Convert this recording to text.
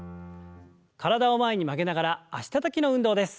体を前に曲げながら脚たたきの運動です。